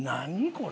これ。